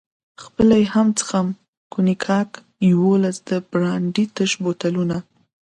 خپله یې هم څښم، کونیګاک، یوولس د برانډي تش بوتلونه.